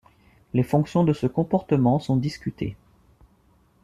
Les fonctions de ce comportement sont discutées.